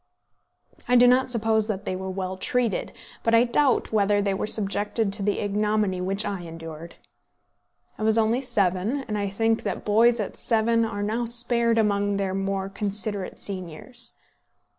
I do not suppose that they were well treated, but I doubt whether they were subjected to the ignominy which I endured. I was only seven, and I think that boys at seven are now spared among their more considerate seniors.